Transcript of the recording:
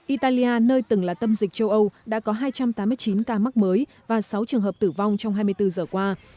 italia nơi từng là tâm dịch châu âu đã có hai trăm tám mươi chín ca mắc mới và sáu trường hợp tử vong trong hai mươi bốn giờ qua